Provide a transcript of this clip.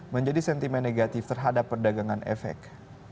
menjadi sentimen negatif terhadap perdagangan efek